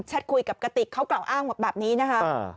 คุยกับกติกเขากล่าวอ้างหมดแบบนี้นะคะ